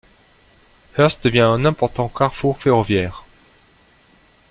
Hearst devient un important carrefour ferroviaire.